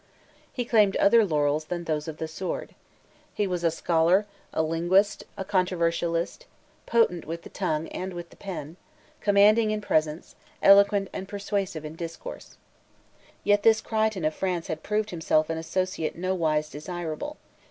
He claimed other laurels than those of the sword. He was a scholar, a linguist, a controversialist, potent with the tongue and with the pen, commanding in presence, eloquent and persuasive in discourse. Yet this Crichton of France had proved himself an associate nowise desirable.